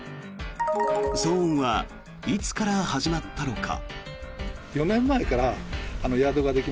騒音はいつから始まったのか。